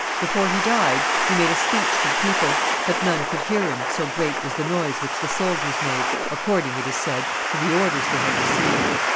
Before he died he made a speech to the people; but none could hear him, so great was the noise which the soldiers made, according, it is said, to the orders they had received.